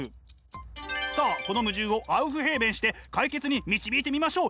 さあこの矛盾をアウフヘーベンして解決に導いてみましょう。